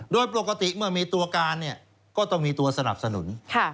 โดยปกติเมื่อมีตัวการก็ต้องมีตัวสนับสนุน